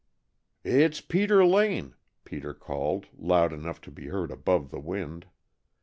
"It's Peter Lane," Peter called, loud enough to be heard above the wind.